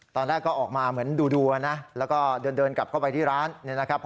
ตอนแรกก็ออกมาเหมือนดูนะแล้วก็เดินกลับเข้าไปที่ร้านเนี่ยนะครับ